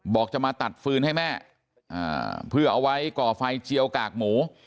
บอกจะมาตัดฟืนให้แม่เพื่อเอาไว้ก่อไฟเจียวกากหมู